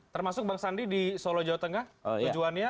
termasuk bang sandi di solo jawa tengah tujuannya